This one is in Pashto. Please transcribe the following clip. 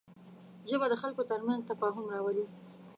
ژبه د خلکو تر منځ تفاهم راولي